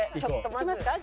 いきますか？